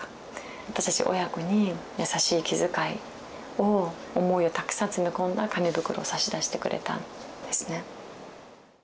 私たち親子に優しい気遣いを思いをたくさん詰め込んだ紙袋を差し出してくれたんですね。